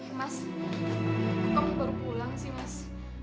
mas kamu baru pulang sih mas